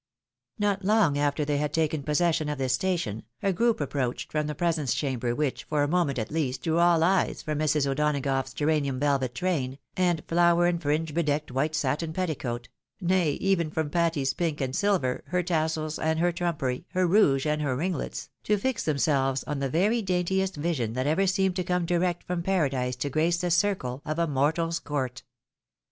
Not long after they had taken possession of this station, a group approached from the presence chamber, which, for a moment at least, drew ^ all eyes from Mrs. O'Donagough's geranium velvet train, and flower and fringe bedeoked white satin petticoat, nay, even from Patty's pink, and silver, her tassels, and her trumpery, >her rouge, and her ringlets, to fix themselves on the very daintiest vision that ever seemed to come direct from Paradise to grace the circle of a mortal's court.